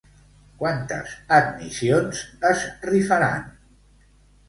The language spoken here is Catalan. Quantes admissions es rifaran?